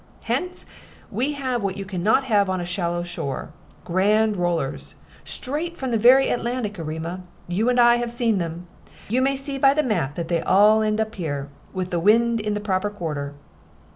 Hence we have what you can not have on a shallow shore grand rollers: straight from the very Atlantic, Erema; you and I have seen them. You may see by the map that they all end here, with the wind in the proper quarter."